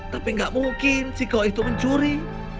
tapi gak mungkin si kau itu mencuri